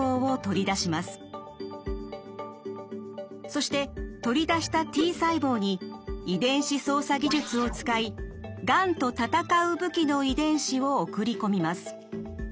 そして取り出したＴ細胞に遺伝子操作技術を使いがんと戦う武器の遺伝子を送り込みます。